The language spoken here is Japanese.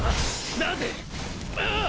なぜ⁉ああ！